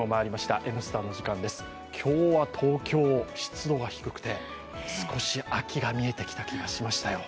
今日は東京、湿度が低くて、少し秋が見えてきた気がしましたよ。